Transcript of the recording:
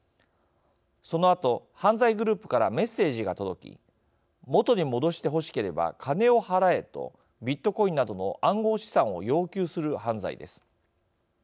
そのあと、犯罪グループからメッセージが届き元に戻してほしければ金を払えとビットコインなどの暗号資産を要求する犯罪です。